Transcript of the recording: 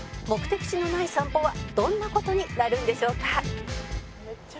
目的地のない散歩はどんな事になるんでしょうか？